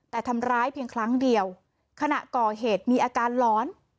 แต่ทำร้ายเพียงครั้งเดียวขณะก่อเหตุมีอาการหลอน